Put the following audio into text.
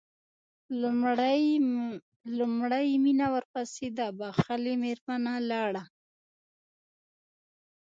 لومړی مينه ورپسې دا بښلې مېرمنه لاړه.